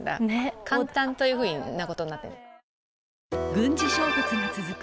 軍事衝突が続く